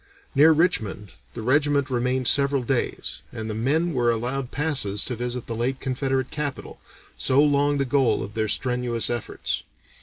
Near Richmond the regiment remained several days, and the men were allowed passes to visit the late Confederate capital, so long the goal of their strenuous efforts.